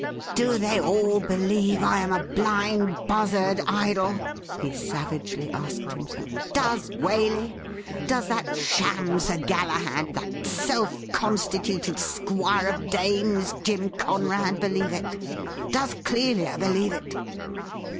' Do they all believe I am a blind buzzard idol ?' he savagely asked himself. ' Does Waley ? Does that sham Sir Galahad — ^that self constituted squire of dames — Jim Conrad, believe it .'' Does Clelia believe it